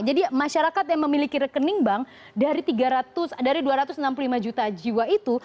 jadi masyarakat yang memiliki rekening bank dari dua ratus enam puluh lima juta jiwa itu